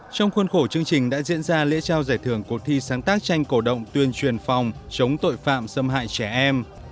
trong khuôn khổ chương trình đã diễn ra lễ trao giải thưởng cuộc thi sáng tác tranh cổ động tuyên truyền phòng chống tội phạm xâm hại trẻ em